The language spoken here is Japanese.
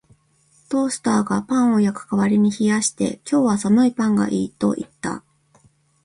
トースターがパンを焼く代わりに冷やして、「今日は寒いパンがいい」と言った